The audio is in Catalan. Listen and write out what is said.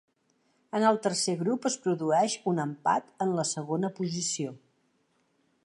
En el tercer grup es produeix un empat en la segona posició.